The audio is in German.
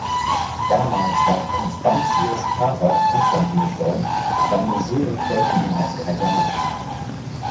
Damals war Constantius’ Vater Konstantin gestorben, seine Söhne folgten ihm als Kaiser nach.